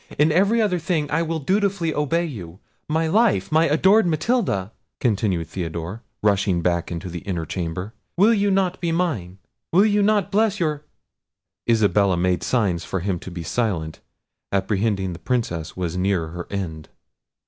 In every other thing I will dutifully obey you. My life! my adored Matilda!" continued Theodore, rushing back into the inner chamber, "will you not be mine? Will you not bless your—" Isabella made signs to him to be silent, apprehending the Princess was near her end.